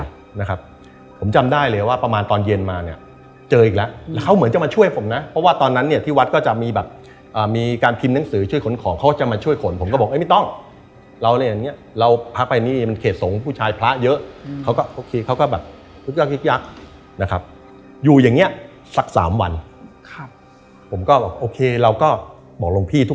เรื่องเท่าไหร่นะครับผมจำได้เลยว่าประมาณตอนเย็นมาเนี่ยเจออีกแล้วเขาเหมือนจะมาช่วยผมนะเพราะว่าตอนนั้นเนี่ยที่วัดก็จะมีแบบมีการพิมพ์หนังสือช่วยขนของเขาจะมาช่วยขนผมก็บอกไม่ต้องเราเล่นอย่างนี้เราพักไปนี่มันเขตสงผู้ชายพระเยอะเขาก็โอเคเขาก็แบบทุกอย่างยักษ์นะครับอยู่อย่างนี้สัก๓วันผมก็โอเคเราก็บอกลงพี่ทุ